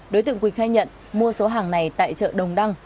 đối tượng quỳnh khai nhận mua số hàng này tại chợ đồng đăng